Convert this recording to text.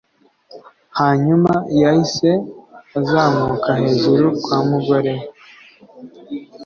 hanyuma yahise azamuka hejuru kwa mugore we